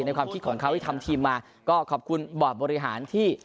ความคิดของเขาที่ทำทีมมาก็ขอบคุณบอร์ดบริหารที่